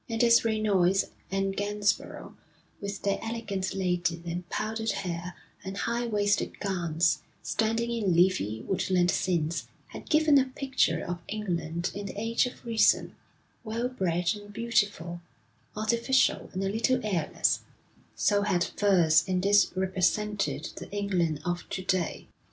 And as Reynolds and Gainsborough, with their elegant ladies in powdered hair and high waisted gowns, standing in leafy, woodland scenes, had given a picture of England in the age of Reason, well bred and beautiful, artificial and a little airless, so had Furse in this represented the England of to day.